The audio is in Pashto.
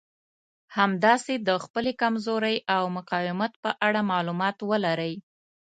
همداسې د خپلې کمزورۍ او مقاومت په اړه مالومات ولرئ.